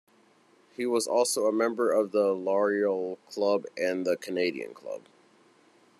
He was also a member of the Laurier Club and the Canadian Club.